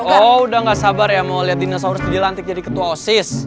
oh udah gak sabar ya mau liat dinosaurus jadi lantik jadi ketua oksis